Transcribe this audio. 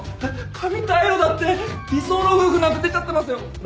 「神対応」だって「理想の夫婦」なんて出ちゃってますよ！